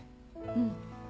うん。